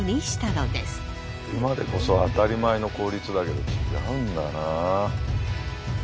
今でこそ当たり前の効率だけど違うんだな。